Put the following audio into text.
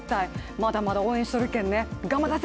まだまだ応援しとるけんね、がばだせ！